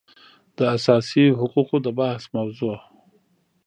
د اساسي حقوقو د بحث موضوع